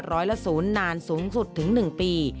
ร้อยละ๐นานสูงสุดถึง๑ปี